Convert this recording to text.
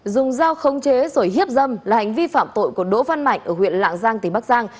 dùng dao khống chế rồi hiếp dâm là hành vi phạm tội của đỗ văn mạnh ở huyện lạng giang tỉnh bắc giang